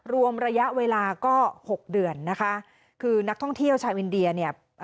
รวมระยะเวลาก็หกเดือนนะคะคือนักท่องเที่ยวชาวอินเดียเนี่ย